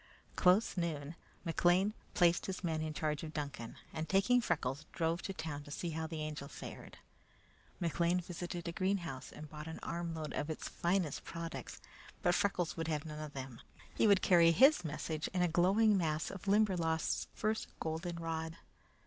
Close noon, McLean placed his men in charge of Duncan, and taking Freckles, drove to town to see how the Angel fared. McLean visited a greenhouse and bought an armload of its finest products; but Freckles would have none of them. He would carry his message in a glowing mass of the Limberlost's first goldenrod.